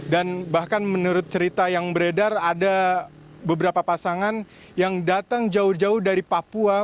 dan bahkan menurut cerita yang beredar ada beberapa pasangan yang datang jauh jauh dari papua